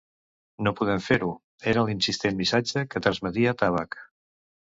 "No podem fer-ho" era l'insistent missatge que transmetia Tabac.